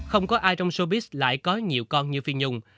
không có ai trong sobis lại có nhiều con như phi nhung